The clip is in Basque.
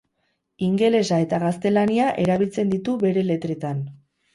Ingelesa eta gaztelania erabiltzen ditu bere letretan.